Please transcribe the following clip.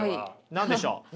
何でしょう？